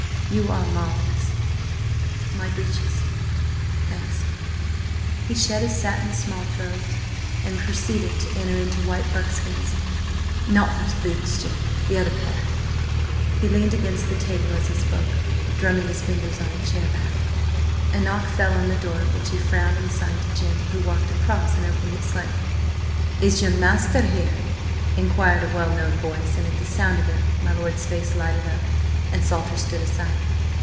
You are marvellous. My breeches. Thanks." He shed his satin small clothes, and proceeded to enter into white buckskins. "Not those boots, Jim, the other pair." He leaned against the table as he spoke, drumming his fingers on a chair back. A knock fell on the door, at which he frowned and signed to Jim, who walked across and opened it, slightly. "Is your master here?" inquired a well known voice, and at the sound of it my lord's face lighted up, and Salter stood aside.